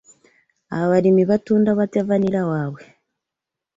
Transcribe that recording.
Abalimi batunda batya vanilla waabwe?